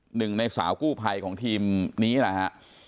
หนึ่งในสาวกู้ไพของทีมนี้นะฮะ